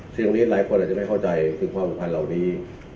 ซึ่งหลายคนอาจจะไม่เข้าใจความสุขภาพเหล่านี้